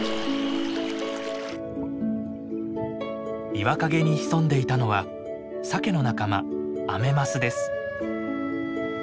岩陰に潜んでいたのはサケの仲間アメマスです。